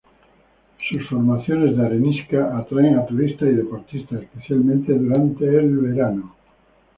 Sus formaciones de arenisca atraen a turistas y deportistas especialmente durante el verano.